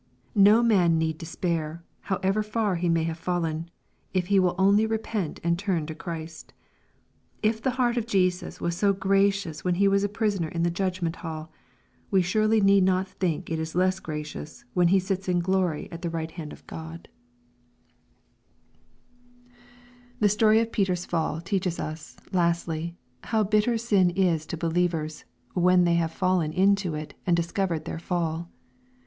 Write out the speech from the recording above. No man need despair, however far he may have fallen, if he will only repent and turn to Christ. If the heart of Jesus was so gracious when He was a prisoner in the judgment hall, we surely need not think it is less gra cious, when He sits in glory at the right hand of Goi LUKR, CHAP. XXII. 439 The story of Peter's fell teaches us, lastly, how hitter Bin is to believei's, when they have fallen into it and (ii« covered their fall.